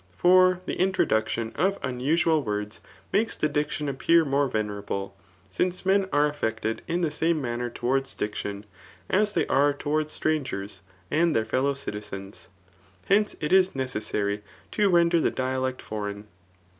For the introduction of unusual words, makes the diction appear more venerable ; since men are aflPected in the same manner towards diction, as they are towards strangers, and their fellow citizens. Hence it is necessary to ren der the dialect foreign.